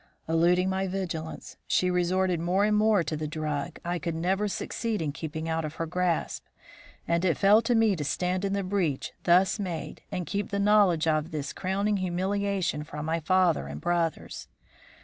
Eluding my vigilance, she resorted more and more to the drug I could never succeed in keeping out of her grasp, and it fell to me to stand in the breach thus made and keep the knowledge of this crowning humiliation from my father and brothers.